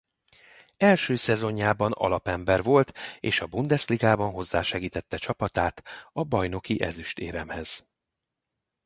Első szezonjában alapember volt és a Bundesligában hozzásegítette csapatát a bajnoki ezüstéremhez.